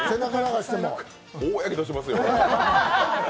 大やけどしますよ。